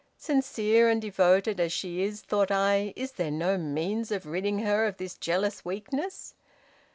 Sincere and devoted as she is, thought I, is there no means of ridding her of this jealous weakness?